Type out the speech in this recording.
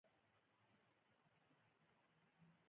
افغانستان کې د غزني لپاره ډیر دپرمختیا مهم پروګرامونه شته دي.